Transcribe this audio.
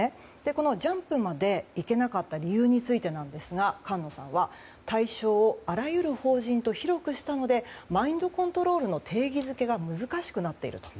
このジャンプまで行けなかった理由についてなんですが菅野さんは、対象をあらゆる法人と広くしたのでマインドコントロールの定義づけが難しくなっていると。